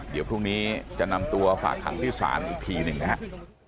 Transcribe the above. เดี๋ยวพรุ่งนี้จะนำตัวฝากขังที่ศาลอีกทีหนึ่งนะครับ